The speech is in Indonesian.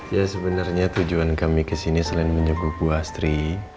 ya sebenarnya tujuan kami ke sini selain menjaga bu asri